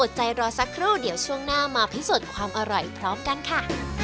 ใจรอสักครู่เดี๋ยวช่วงหน้ามาพิสูจน์ความอร่อยพร้อมกันค่ะ